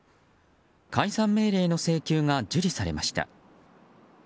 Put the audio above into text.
解散命令の請求が受理されました。